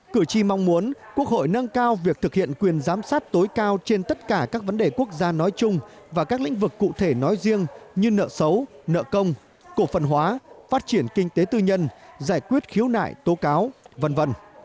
cử tri mong muốn quốc hội nâng cao việc thực hiện quyền giám sát tối cao trên tất cả các vấn đề quốc gia nói chung và các lĩnh vực cụ thể nói riêng như nợ xấu nợ công cổ phần hóa phát triển kinh tế tư nhân giải quyết khiếu nại tố cáo v v